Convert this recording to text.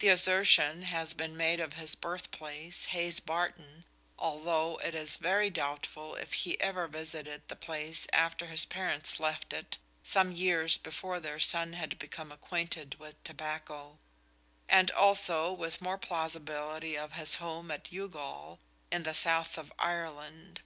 The assertion has been made of his birthplace, Hayes Barton, although it is very doubtful if he ever visited the place after his parents left it, some years before their son had become acquainted with tobacco; and also with more plausibility of his home at Youghal, in the south of Ireland.